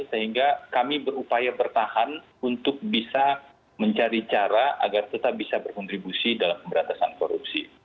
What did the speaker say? sehingga kami berupaya bertahan untuk bisa mencari cara agar tetap bisa berkontribusi dalam pemberantasan korupsi